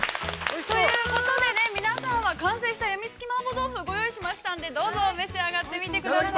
◆ということで、皆さんは、完成したやみつき麻婆豆腐をご用意しましたんで、召し上がってみてください。